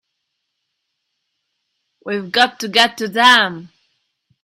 We've got to get to them!